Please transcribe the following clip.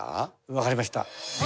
わかりました。